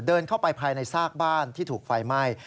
เดินเข้าไปภายในซากบ้านที่ถูกไฟไหม้